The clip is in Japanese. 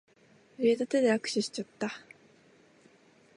ぬれた手で握手しちった。